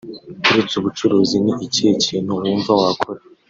Uretse ubucuruzi ni ikihe kintu wumva wakora